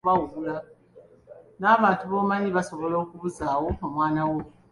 N'abantu b'omanyi basobola okubuzaawo omwana wo